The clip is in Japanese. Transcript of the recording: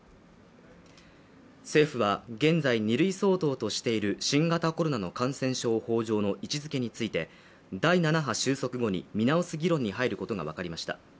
政府は現在、２類相当としている新型コロナの感染症法上の位置づけについて第７波収束後に見直す議論に入ることが分かりました。